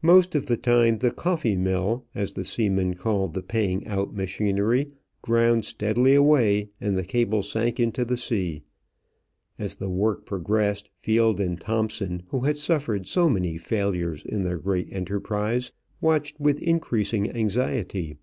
Most of the time the "coffee mill," as the seamen called the paying out machinery, ground steadily away and the cable sank into the sea. As the work progressed Field and Thomson, who had suffered so many failures in their great enterprise, watched with increasing anxiety.